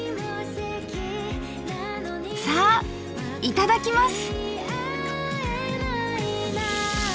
さあいただきます！